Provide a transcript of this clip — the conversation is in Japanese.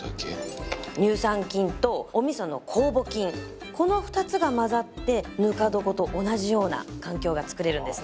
乳酸菌とお味噌の酵母菌この２つが混ざってぬか床と同じような環境が作れるんですね。